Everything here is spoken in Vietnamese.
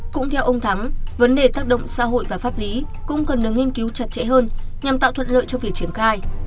cũng theo ông thắng vấn đề tác động xã hội và pháp lý cũng cần được nghiên cứu chặt chẽ hơn nhằm tạo thuận lợi cho việc triển khai